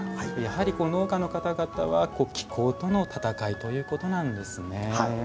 農家の方々はやはり気候との戦いということなんですね。